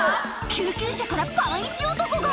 ⁉救急車からパンいち男が！